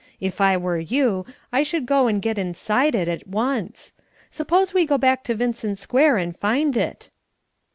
If I were you, I should go and get inside it at once. Suppose we go back to Vincent Square and find it?"